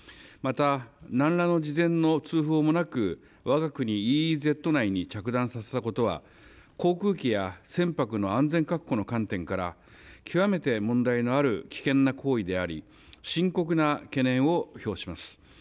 また、なんらの事前の通報もなく、わが国ＥＥＺ内に着弾させたことは、航空機や船舶の安全確保の観点から極めて問題のある危険な行為であり、深刻な懸念を表します。